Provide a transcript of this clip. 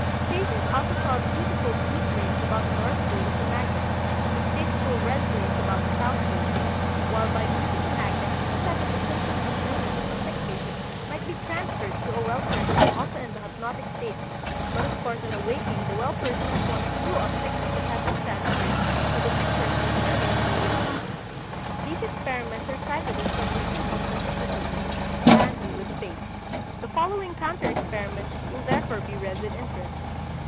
Patients also saw beautiful blue flames about the north pole of a magnet and distasteful red flames about the south pole; while by means of a magnet it was said that the symptoms of illness of a sick patient might be transferred to a well person also in the hypnotic state, but of course on awaking the well person at once threw off sickness that had been transferred, but the sick person was permanently relieved. These experiments are cited in some recent books on hypnotism, apparently with faith. The following counter experiments will therefore be read with interest.